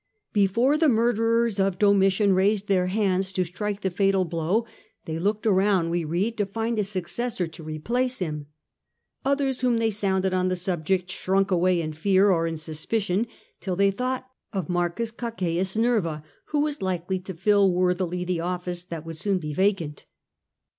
Before the murderers of Domitian raised their hands to strike the fatal blow, they looked around, we read, to find a successor to replace him. SfsMTtoth* Others whom they sounded on the subject throne by shrunk away m fear or in suspicion, till they ers of Do thought of M. Cocceius Nerva, who was likely to fill worthily the office that would soon be vacant.